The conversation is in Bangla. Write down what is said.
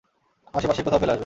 আশে পাশেই কোথাও ফেলে আসবে।